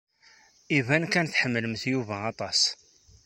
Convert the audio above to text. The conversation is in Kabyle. Iban kan tḥemmlemt Yuba aṭas.